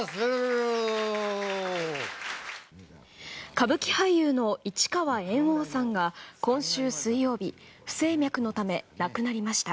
歌舞伎俳優の市川猿翁さんが今週水曜日不整脈のため亡くなりました。